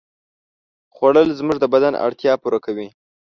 خوړل زموږ د بدن اړتیا پوره کوي